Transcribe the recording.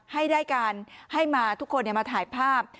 ให้ได้การให้มาทุกคนมาถ่ายภาพ